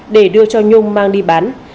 để đưa cho nhung mang đi bán